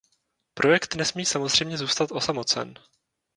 Projekt nesmí samozřejmě zůstat osamocen.